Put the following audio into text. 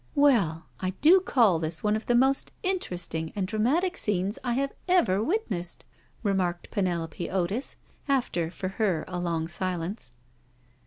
" Well, I do call this one of the most interesting and dramatic scenes I have ever witnessed," remarked Penelope Otis after, for her, a long silence.